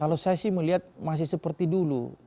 kalau saya sih melihat masih seperti dulu